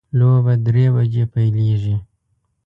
لوبه درې بجې پیلیږي